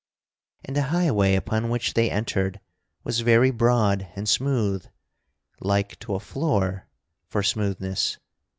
And the highway upon which they entered was very broad and smooth, like to a floor for smoothness.